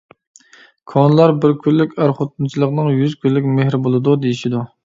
كونىلار «بىر كۈنلۈك ئەر-خوتۇنچىلىقنىڭ يۈز كۈنلۈك مېھرى بولىدۇ» دېيىشىدۇ.